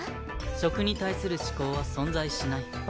食に対する嗜好は存在しない。